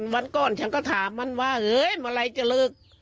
วันก่อนฉันก็ถามมันว่าเฮ้ยมาลัยจะเลิก